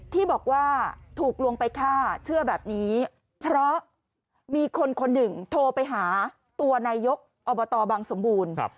ที่บอกว่าถูกลวงไปฆ่าเชื่อแบบนี้เพราะมีคนคนหนึ่งโทรไปหาตัวนายกอบตบังสมบูรณ์